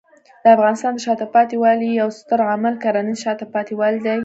د افغانستان د شاته پاتې والي یو ستر عامل کرنېز شاته پاتې والی دی.